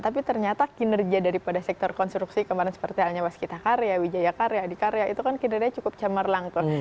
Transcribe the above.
tapi ternyata kinerja daripada sektor konstruksi kemarin seperti halnya waskita karya wijaya karya adikarya itu kan kinerjanya cukup cemerlang tuh